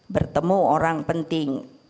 bertemu orang penting